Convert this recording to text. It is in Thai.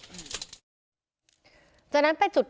ทีมข่าวเราก็พยายามสอบปากคำในแหบนะครับ